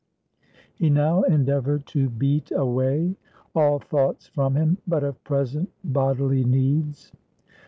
He now endeavored to beat away all thoughts from him, but of present bodily needs.